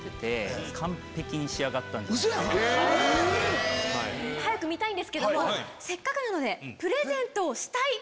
ウソやん⁉早く見たいんですけどもせっかくなので。